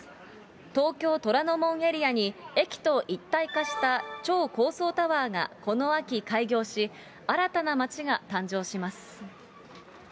東京・虎ノ門エリアに、駅と一体化した超高層タワーがこの秋開業し、新たな街が誕生します。